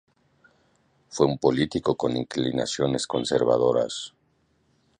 Fue un político con inclinaciones conservadoras.